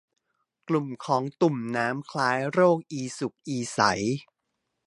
กลุ่มของตุ่มน้ำคล้ายโรคอีสุกอีใส